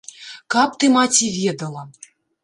Каб ты, маці, ведала!